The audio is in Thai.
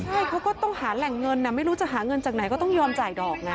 ใช่เขาก็ต้องหาแหล่งเงินไม่รู้จะหาเงินจากไหนก็ต้องยอมจ่ายดอกไง